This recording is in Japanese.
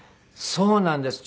そうなんです。